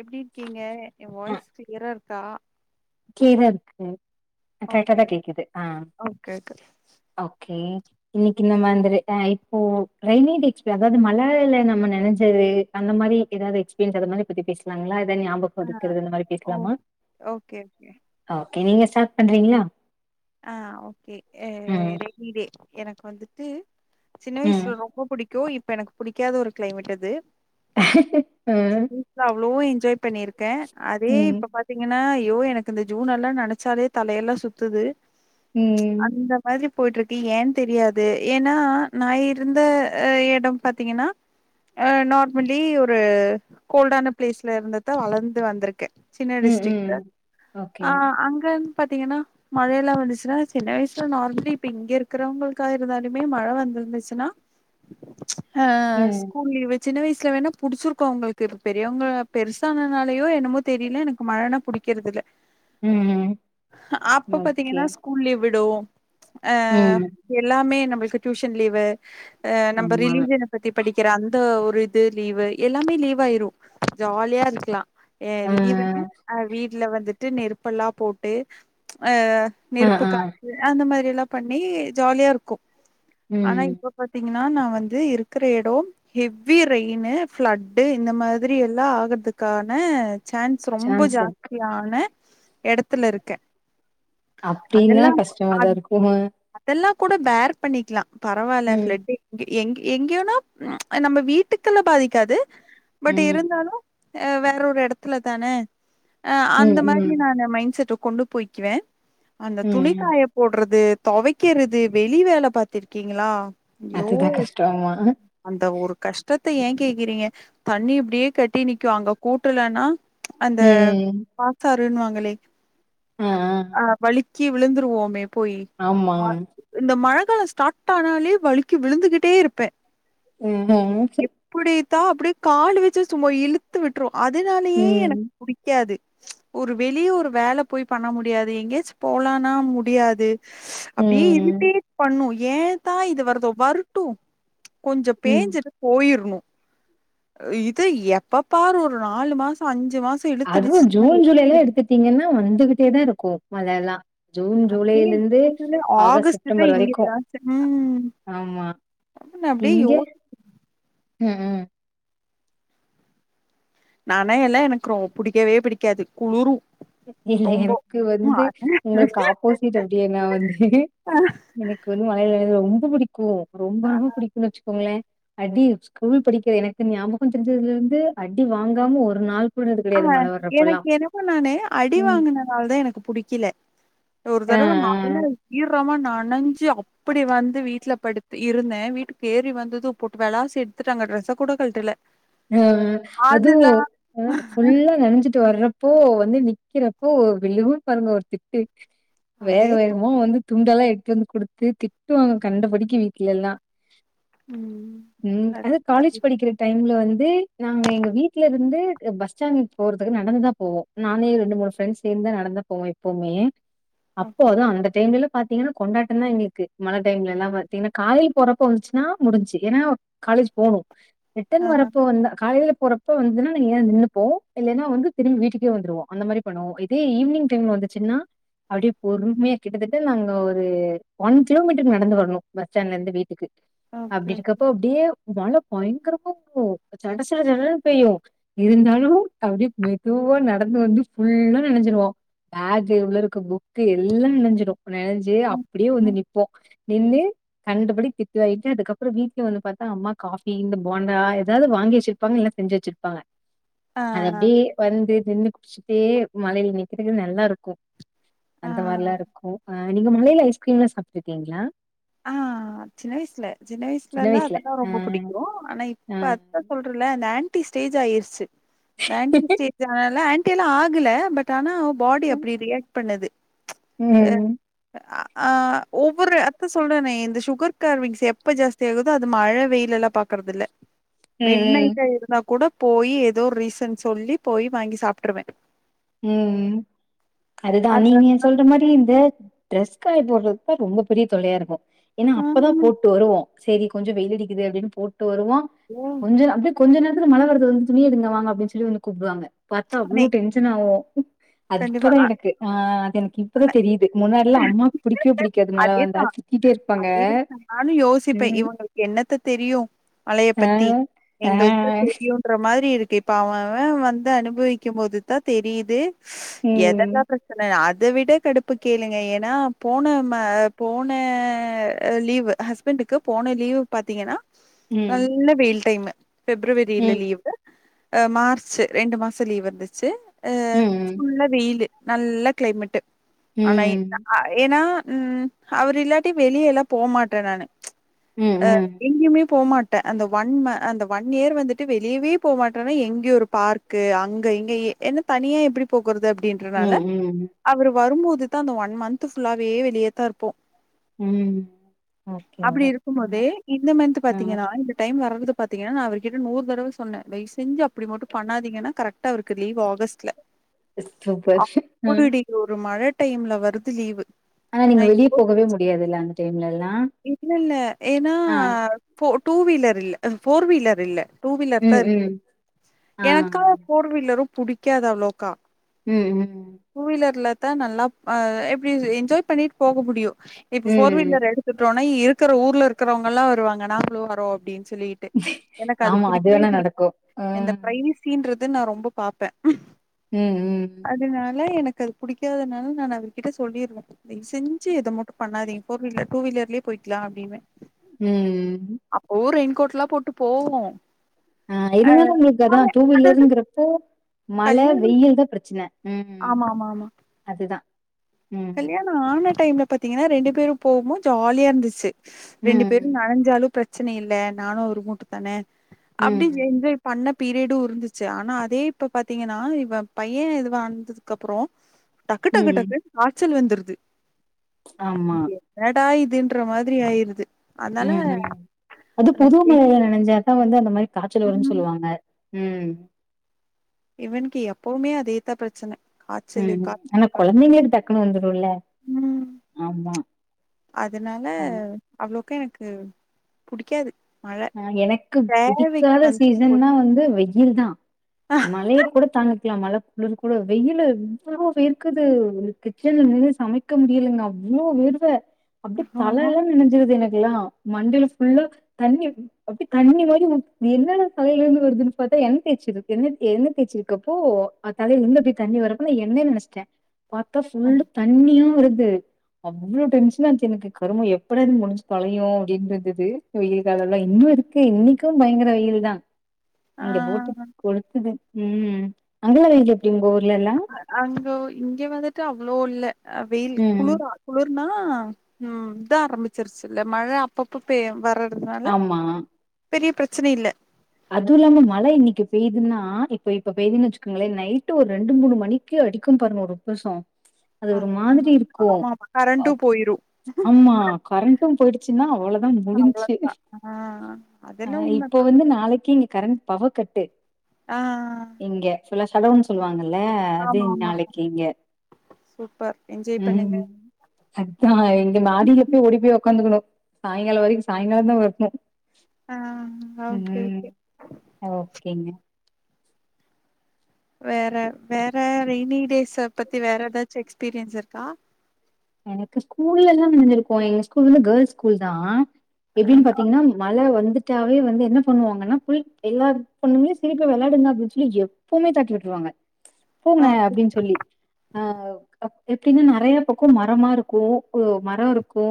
எப்டி இருக்கீங்க எ வாய்ஸ் கிளியரா இருக்கா கிளியரா இருக்குது ஒகே ஆ கேக்குது ஓகே இன்னக்கி நம்ம அந்தரு அ இப்போ ரெய்ல்வே டேட்ஸ் போய் அதாவ்து [unintelligible] நம்ம நெனச்சது அந்த மாரி எதாவ்து எக்ஸ்பீரியன்ஸ் அந்த மழைய பத்தி பேசலாங்ளா எதாவ்து ஞாபக ஆ இருக்கறது அந்த மாரி ஓ பேசலாமா ஓகே ஓகே ஆ ஓகே நீங்க ஸ்டார்ட் பண்றீங்களா ஆ ஓகே எ ம் ரெய்னி டே எனக்கு வந்துட்டு சின்ன ம் வயசுல ரொம்ப புடிக் கு இப்ப எனக்கு புடிக்காத ஒரு கிளைமேட் அது ம் நா அவ்ளோ என்ஜாய் பண்ணிருக்கே அதே ம் இப்ப பாத் தீங்கனா ஐயோ எனக்கு இந்த ஜூன் எல்லா நெனச்சாலே தலையெல்லா சுத்துது ம் அந்த மாதிரி போயிட்ருக்கு ஏன் தெரியாது ஏனா நா இருந்த அ எடம் பாத்தீங்கனா அ நார்மலி ஒரு கோல்டான பிளேஸ்ல இருந்துதா வளந்து வந்திருக்கே சின்ன ம் டிஸ்டிரிக்ல ம் ஓகே ஆ அங்கனு பாத்தீங்கனா மழ மழ வந்துச்சுனா சின்ன வயசுல நார்மலி இப்ப இங்க இருக்கிறவ்களுக்கா இருந்தாலுமே மழ வந்திருந்துச்சுனா அ ம் ஸ்கூல் லீவு சின்ன வயசுல வேணா புடிச்சிருக்கு அவ்ங்களுக்கு இப்ப பெரியவ்ங்க பெருசானனாலயோ என்னமோ தெரில எனக்கு மழைனா புடிக்கிறதில்ல ம்ம் ம் ஓகே த்தீங்கனா ஸ்கூல் லீவ் விடுவோ அ ம் எல்லாமே நம்மளுக்கு டியூஷன் லீவு அ நம்ப ஆமா ரிலிஜியன பத்தி படிக்கிற அந்த ஒரு இது லீவு எல்லாமே லீவ் ஆயிரு ஜாலியா இருக்கலா ஏ ஆ லீவுனா அ வீட்ல வந்துட்டு நெருப்பெல்லா போட்டு அ ஆ நெருப்பு ஆ காத்து அந்த மாரியெல்லா பண்ணி ஜாலியா இருக்கு ஆனா ம் இப்ப பாத்தீங்கனா நா வந்து இருக்குற எடோ ஹெவ்வி ரெயினு ஃபிளட்டு இந்த மாதிரியெல்லா ஆகற்துக்கான சான் ஸ் ரொம்ப சான்ஸ் இருக்கு ஜாஸ்தியான எடத்துல இருக்கே அப்டினா அதெல்லா கஷ்டமாதா அத் இருக்குங்க அதெல்லா கூட பேர் பண்ணிக்கலா பரவால்ல ம் ஃபிளட்டு் எங் எங்கயோனா நம்ப வீட்டுக்குலா பாதிக்காது பட் ம் இருந்தாலு ஆ வேற ஒரு எடத்துல தான ஆ அந்த ம், மாரி ம், நானு மைண்ட்செட்ட கொண்டு க்குவே அந்த ம். துணிக்காய போடுறது தொவைக்றது வெளி வேல பாத்திருகீங்களா ஐயோ அதுதான் கஷ்டம். ஆமா. அந்த ஒரு கஷ்டத்த ஏ கேக்றிங்க தண்ணி இப்டியே கெட்டி நிக்கு அங்க கூட்டலனா அந்த ம். பாத்தாறுன்னுவாங்ளே ஆ ஆ ஆ வழிக்கி விழுந்துருவோமே போயி ஆமா. இந்த மழ காலோ ஸ்டார்ட் ஆனாலே வழுக்கி விழுந்துகிட்டே இருப்பே ம் ம் அப்புடிதா அப்டியே கால் வச்சி சும்மா இழுத்து விட்டுரு அதுனாலயே எனக் ம். புடிக்காது ஒரு வெளிய ஒரு வேல போய் பண்ண முடி யாது எங்கேயாச்சு போலானா முடியாது அப்டியே ம். இரிடேட் பண்ணு ஏந்தா இது வருதோ வறட்டு கொஞ்சோ ம். பேஞ்சிட்டு போயிர்ணு இது எப்ப பாரு ஒரு நாலு மாசோ அஞ்சி மாசோ அதுவு இழுத்தடிச்சுச்சுன்னா ஜூன் ஜூலைல எடுத்துட்டீங்ன்னா வந்துகிட்டே தா இருக்கு மழல்லா ஜூன் ஜூலைலருந்து அதுவே ஆகஸ்ட் ஆகஸ்ட்தா செப்டம்பர் இங்க வரைக்கு ஆமா ஆமா நா அப்டியே இங்க யோ ம் ம் நனையல்லா எனக்குறொ புடிக்கவே புடிக்காது குளுரு இல்ல ரொம்போ எனக்கு வந்து உங்களுக்கு ஆப்போசிட் அப்டியே நா வந்து எனக்கு வந்து மழையில நனைறது ரொம்ப பிடிக்கு ரொம்ப ரொம்ப பிடிக்குன்னு வச்சுக்கோங்களே அடி ஸ்கூல் படிக்க எனக்கு ஞாபகோ தெரிஞ்சதுல இருந்து அடி வாங்காம ஒரு நாள் கூட இருந்தது ஆ கிடையாது மழ எனக் வர்றப்பல்லாம். எனக்கு நானு அடி ம். வாங்குனனால தா எனக்கு புடிக்கல ஒரு ஆ தரவ நல்லா ஈரமா நனஞ்சி அப் டி வந்து வீட்ல படுத் இருந்தே வீட்டுக்கு ஏறி வந்தது போட்டு விளாசி எடுத்துட்டாங்க டிரரெஸ்ஸ கூட கழட்டல ஆ அதுவு அதுல ஆ ஃபுல்லா நனஞ்சிட்டு வர்றப் போ வந்து நிக்கிறப்போ விழுகு பாருங்க ஒரு திட்டு வேக அதே தான் வேகமா வந்து துண்டல்லா எட்டு வந்து குடுத்து திட்டுவாங்க கண்டபடிக்கி வீட்லல்லா ம் ம் அதே அது காலேஜ் படிக்ற டைம்ல வந் து நாங்க எங்க வீட்லருந்து பஸ் ஸ்டாண்ட் போறதுக்கு நடந்து தா போவோ நானு ஏ ரெண்டு மூணு ஃப்ரெண்ட்ஸ் சேந்துதா நடந்துதா போவோ எப்பவுமே அப்ப ஓகே வந்து அந்த டைம்லல்லா பாத்தீங்கன்னா கொண்டாட்டந்தா எங்களுக்கு மழ டைம்லல்லா பாத்தீங்கன்னா காலைல போறப்ப வந்துச்சுனா முடிஞ்ச்சி ஏன்னா காலேஜ் போணு ரிட்டன் ஆ வர்றப் வந்தா காலேலயே போறப்ப வந்ததுன்னா நாங்க எங்காயது நின்னுப்போ இல்லைன்னா வந்து திரும்பி வீட்டுக்கே வந்துடுவோ அந்த மாறி பண்ணுவோ இதே ஈவ்னிங் டைம்ல வந்துச்சுன்னா அப்டியே பொறுமையா கிட்டத்தட்ட நாங்க ஒரு ஒன் கிலோமீட்டர் நடந்து வரணு பஸ் ஸ்டாண்ட்ல இருந்து வீட்டுக்கு ஓகே அப்டி இருக்கப்போ அப்டியே மழ பயங்கரமா விழு சட சட சடன்னு பெய்யு இருந்தாலு அப்டியே மெதுவா நடந்து வந்து ஃபுல்லா நனஞ்சிருவோ பேக் உள்ள இருக்க புக்கு எல்லா நனஞ்சிடு நனஞ்சி அப்டியே வந்து நிப்போ நின்னு கண்டபடி திட்டு வாங்கிட்டு அதுக்கப்பறோ வீட்ல வந்து பாத்தா அம்மா காஃபி இந்த போண்டா ஏதாது வாங்கி வச்சிருப்பாங்க இல்லன்னா செஞ்சி வச்சிருப்பாங்க ஆ அது அப்டியே வந்து நின்னு குடிச்சுட்டே மழைல நிக்றதுக்கு நல்லா இருக்கு ஆ அந்த மாறிலா இருக்கு ஆ நீங்க மழலைல ஐஸ்கிரீம்ல்லா சாப்ட்டு இருக்கிங்ளா ஆ சின்ன வயசுல சின்ன வயசுலல்லா வயசுல. அதெல்லா அ ரொம்ப புடிக்கு ஆனா அ இப்ப அத சொல்றல இந்த ஆண்ட்டி ஸ்டேஜ் ஆயிருச்சு இந்த ஆண்ட்டி ஸ்டேஜ் இது ஆ ஆண்ட்டி எல்லா ஆகுல பட் ஆனா பாடி அப்டி ரியாக்ட் பண்ணுது ம் அ ஆ ஒவ்வொரு அத் த சொல்றனே இந்த சுகர் கார்விங்ஸ் எப்போ ஜாஸ்தி ஆகுதோ அது மழ வெயிலெல்லா பாக்கறதில்ல மிட் ம் நைட்டா இருந்தா கூட போய் ஏதோ ரீசன் சொல்லி போய் வாங்கி சாப்ட்ருவே ம் ம் அதுதா அத நீங்க சொல்ற மாரி இந்த ட்ரெஸ் காய போட்றத்தா ரொம்ப பெரிய தொல்லையா இருக்கு ஏனா அப்பதா ஆமா போட்டு வருவோ செரி கொஞ்சொ வெயில் அடிக்குது அப்டின் போட்டு வருவோ கொஞ்ச ந அப்டி கொஞ்ச நேரத்துல மழ வருது வந்து துணி எடுங்க வாங்க அப்டின் சொல்லி வந்து கூப்டுவாங்க பாத்தா நே அவ்ளோ டென்ஷன் ஆவு அது இப்பதா எனக்கு ஆ அது எனக்கு இப்பதா ஆனா தெரியுது முன்னாடிலா அம்மாக்கு புடிக்கவே புடிக்காது மழ வந்தா திட்டிட்டே இருப்பாங்க அதேதா நானு யோசிப்பே ம் இவுங்களுக்கு என்னத்த தெரியு மழய ஆ பத்தி ஆ எங்களுக்கு தா தெரியு ற மாரி இருக்கு இப்ப அவ அவெ வந்து அனுபவிக்கம் போது தா தெரியிது எதலா ம் ப்ர ச்சன அத விட கடுப்பு கேளுங்க ஏனா போனம போன அ லீவு ஹஸ் பண்டுக்கு போன லீவு பாத்திங்கன்னா ம் நல்ல வெயில் டைமு பெப்ரவரில ம் லீவு அ மார்ச்சு ரெண்டு மாசொ லீவ் இருந்துச்சு ம் ம் இலு நல்ல க்ளைமேட்டு ஆனா ம் ஏனா ம் அவரு இல்லாட்டி வெளியலா போமாட்ட நானு ம் அ எங்கெயுமே போ மாட்டெ அந்த ஒன்ம அந்த ஒன் இயர் வந்துட்டு வெளியவே போ மாட்டேனா எங்கெயு ஒரு பார் க்கு அங்க இங்க என்ன தனியா எப்டி போகுறது அப்டின்றனால ம் ம் ம் அவரு வரும்போது தா அந்த ஒன் மந்த்து ஃபுல்லாவே வெளிய தா இருப்போ ம் ஓகே அப்டி இருக்கும் அவ்வளவுதாங்க. போதே இந்த மந்த்து ஆ பாத்திங்கன்னா இந்த டைம் [unintelligible] பாத்திங்கன்னா நா அவர்கிட்ட நூறு தடவ சொன்னே தய்வு செஞ்சு அப்டி மட்டு பண்ணாதீங்கனா கரெட்டா அவருக்கு லீவு ஆகஸ்ட்ல [unintelligible] ம் அப்புடுடி ஒரு மழ டைம்ல வருது லீவு ஆனா நீங்க நான் வெளிய போகவே முடியாதுல்ல அந்த டைம்லலா இல்லல்ல ஏனா ஃபோ டூ வீலர் இல்ல அ ஃபோர் வீலர் இல்ல டூ வீலர் தா ம் ம் இருக்கு ஆ எனக்கா ஃபோர் வீலரு புடிக்காது அவ்ளோக்கா ம் ம் டூ வீலர்ல தா நல்லா அ எப்டி என்ஜாய் பண்ணிட் போக முடியு இப்ப ஃபோர் ம் வீலர் எடு த்துட்டோனா இருக்குற ஊர்ல இருக்றவங்கல்லா வருவாங்க நாங்ளு வரோ அப்டின் சொல்லி ட்டு எனக்கு அது ஆமா புடிக்கவே வேணா புடிக் நடக்கு ஆ இந்த ப்ரைவ்சின்றது நா ரொம்ப பாப்பே ம் ம் அதுனால எனக்கு அது புடிக்காததுனால நான் அவர்கிட்ட சொல்லிருந்தே தய் செஞ்சு இத மட் டு பண்ணாதீங் ஃபோர் வீலர் டூவிலர்லேயே போய்க்லா அப்டின்வெ ம் ம் அப்பவு ரெயின்கோட்லா போட்டு போவோ அ இருந்தாலு உங்களுக்கு அதா அது டூவீலருங்றப்போ மழ கல்யாண வெயில் தா ப்ரச்சன ம் ம் ஆமா அதுதா ம் கல்யாணொ ஆன டைம்ல பத்திங்கன்னா ரெண்டு பேரு போம்போ ஜாலியா இருந்துச்சு ரெண்டு பேரு ம் நனஞ்சாலு ப்ரச்சன இல்ல நானு அவரு மட்டு தானே அப்டின் ம் என்ஜாய் பண்ண பீரியடு இருந்துச்சு ஆனா அதே இப்ப பாத்திங்கன்னா இவ பையெ இது வந்ததுக்கு அப்றோ டக்கு டக்கு ம் டக்குன் காச்சல் வந்துருது ஆமா என்னடா இதுன்ற மாதிரி ஆயிருது அதனால ம் ம் அது புது எனக்கு மழையில நனைஞ்சாதா வந்து அந்த மாரி காச்சல் வருன்னு ம் சொல்லுவாங்க ம் இவனுக்கு எப்பவுமே அதேத்தா ப்ரச்சன ம் ஆனா கொழந்தைங்களுக்கு டக்குனு வந்துடுல ம். ஆமா அதனால ஆ அவ்ளோக்கு எனக்கு புடிக்காது மழை. ஆ எனக்கு தேவைக்கு புடிக்காத வந்து சீசன்னா வந்து வெயில் தா போய் மழைய கூட தாங்கிக்லா மழ குளுரு கூட வெயில்ல எவ்ளோ வேர்க்குது கிச்சன்ல நின்னு சமைக்க முடியலேங்க அவ்ளோ வேர்க் இப்ப அப்டி தலலா நெனஞ்சிர்து எனக்குலா மண்டைல ஃபுல்லா தண்ணி அப்டி தண்ணி மாரி ஊத் என்னல தலைல இருந்து வருதுன்னு பாத்தா எண்ண தேய்சிரு எண்ண எண்ண தேச்சிருக்கப்போ தலைல எங்க இப்டி தண்ணி வரப்பனா எண்ணனு நெனச்சிட்ட பாத்தா ஃபுல்லா ஆ தண்ணியா வருது அவ்ளோ டென்ஷனாஞ்ச்சி எனக்கு கருமோ எப்படா இத் முடிஞ்சு தொழயு அப்டின்றுதுது வெயில்கா லொ இன்னூ இருக்கு இன்னைக்கூ பயங்கர வெயில்தா இங்க போட்டு கொளுத்துது ம் அங்கலா வெயில் எப்டி உங்க ஊர்லலா அங்கோ இங்க வந்துட்டு அவ்ளோ இல்ல வெயில் ம் குளுர்ரா குளுர்னா ம் இத ஆரம்பிச்சிர்ச்சுல்ல மழ அப் அப்பப்ப பேயு வரதுனால ஆமா பெரிய ப்ரச்சன இல்ல அதுவு இல்லாம மழ இன்னிக்கு பேய்துன்னா இப்ப இப்ப பேய்துன் வச்சுக்கோங்களே நைட்டு ஒரு ரெண்டு மூணு மணி க்கி அடிக்கு பாருங்க ஒரு புசோ அது அஹ் ஒரு ஆமா மாதிரி இருக்கூ ஆமா கரண்டு போயிரு ஆமா கரண்ட்டூ போய்டுச்சுன்னா அவ்ளோதா முடிஞ்ச்சு அவ்ளோதா ஆ ஆ அதெல்லா இப்ப உண்மதா வந்து நாளைக் கி இங்க கரண்ட் பவர் கட்டு ஆ இங்க ஃபுல்லா ஸடௌன்ஸ் சொல்லுவாங்கல்ல அது ஆமா ஆமா நாளைக்கி இங்க சூப்பர் என்ஜாய் பண்ணுங்க ம் அதா எங்க மாடில போய் ஓடி போய் உக்காந்துக்கணு சாய்ங்காலோ வரைக்கூ சாய்ங்காலதா வர்ணூ ஆ ஓகே ம் ஓகே ஓகேங்க வேற வேற ரெய்னி டேஸ்ஸ பத்தி வேற ஏதாச்சு எக்ஸ்பீரியன்ஸ் இருக்கா எனக்கு ஸ்கூல்லெல்லா நெனஞ்சிருக்கோ எங்க ஸ்கூல் வந்து கேள்ஸ் ஸ்கூல்தா எப்டின் ஆ பாத்திங்ன்னா மழ வந்துட்டாவே வந்து என்ன பண்ணுவாங்கன்னா ஃபுல் எல்லா பொண்ணுமே சிரிப்ப வெளையாடு [unintelligible] ப்போமே தாட்டி விட்ருவாங்க போங்க ஓகே அப்டின் சொல்லி அ எப்டின்னா நறைய க்கூ மரமாருக்கூ மர இருக்கூ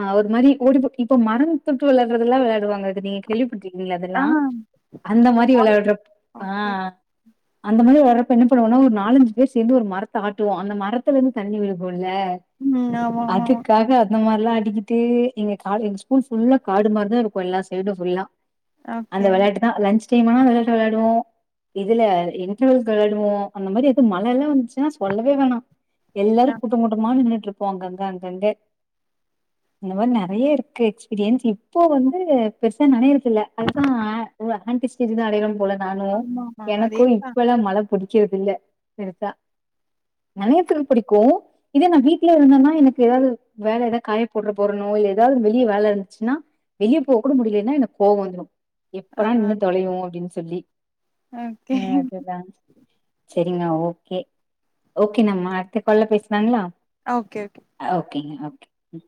ஆ ஒரு மாரி ஓடிபுடி இப்ப மரொந் தொட்டு விளையாட்றதுல்லா வெளையாடுவாங்க இது நீ கேள்வி பட்ருக்கீங்ளா ஆ அதெல்லா அந்த மாரி வெளையாட்றப் ஆ ஓகே ஓகே அந்த மாரி வர்ரப்ப என்ன பண்ணுவோனா ஒரு நாலஞ்சு பேர் சேந்து ஒரு மரத்த ஆட்டுவோ அந்த மரத்துல இர்ந்து தண்ணி விழு போ ல்ல ம் ஆமா ஆமா ஆமா அதுக்காக இந்த மார்ல்லா அடிக்கிட்டு எங்க காலு எங்க ஸ்கூல் ஃபுல்லா காடு மார்தா இருக்கூ எல்லா சைடு ஃபுல்லா அந்த ஓகே வெளையாட்டு தா லன்ச் டைம் ஆனாலு அந்த வெளையாட்டு வெளையாடுவோ இதுல இன்ட்ரவல்கு வெளையாடுவோ அந்த மாரி எதுவு மழ எல்லா வந்துச்சுன்னா சொல்லவே வேணா எல்லாரு ஆ கூட்டோ கூட்டமா நின்னுட்ருப்போ அங்கங்க அங்கங்க இந்த மாரி நறைய இருக்கு எக்ஸ்பிரியன்ஸ் இப்போ வந்து பெருசா நனையருக் இல்ல அதுதா அ ஓ [unintelligible] போல நானு ஆமாமா எனக்கும் அதேதா இப்பல்லா மழ புடி க்கிறது இல்ல பெருசா நனையத்து புடிக்கும் இதே நா வீட்ல இருந்தன்னா எனக்கு ஏதாவது வேற ஏதா காய போட்ற போறனோ இல்ல எதாவது வெளிய வேல இருந்துசுன்னா வெளிய போ கூட முடியலன்னா எனக் கோவம் வந்துரும் ஆ எப்பதா நின்னு தொலயும் அப்டின் சொல்லி ஓகே அ அதுதா சேரிங்க ஓகே ஓகே நம்ம அடுத்து கால்ல பேசுளாங்களா ஓகே ஓகே அ ஓகேங்க ஓகே ம்